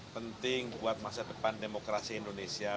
penting buat masa depan demokrasi indonesia